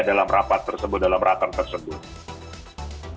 dalam rapat tersebut dalam rapat tersebut